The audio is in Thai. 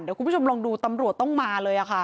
เดี๋ยวคุณผู้ชมลองดูตำรวจต้องมาเลยค่ะ